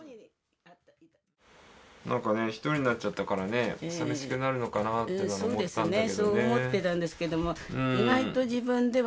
なんかね一人になっちゃったからね寂しくなるのかなって思ったんだけどね。